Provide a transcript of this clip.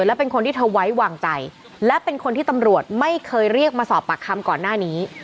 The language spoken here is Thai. และเป็นคนที่เธอไว้วางใจและเป็นคนที่ตำรวจไม่เคยเรียกมาสอบปากคำก่อนหน้านี้